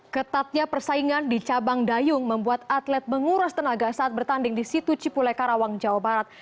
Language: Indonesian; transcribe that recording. ketatnya persaingan di cabang dayung membuat atlet menguras tenaga saat bertanding di situ cipule karawang jawa barat